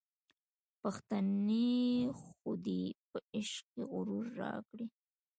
پښتنې خودۍ په عشق کي غرور راکړی